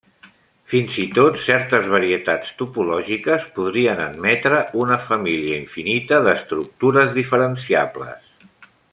Fins i tot certes varietats topològiques podrien admetre una família infinita d'estructures diferenciables.